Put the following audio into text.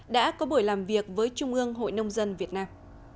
đã có buổi làm việc với trung ương hội nông dân việt nam